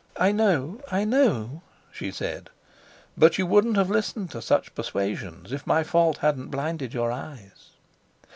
"I know I know," she said. "But you wouldn't have listened to such persuasions if my fault hadn't blinded your eyes."